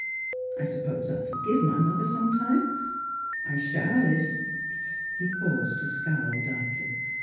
I suppose I'll forgive my mother sometime. I shall if —*' He paused to scowl darkly.